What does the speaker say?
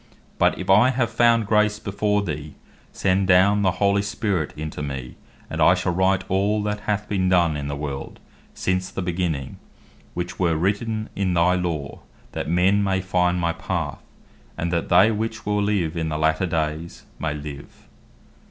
But if I have found Grace before thee, send down the holy Spirit into me, and I shall write all that hath been done in the world, since the beginning, which were written in thy Law, that men may find thy path, and that they which will live in the later days, may live."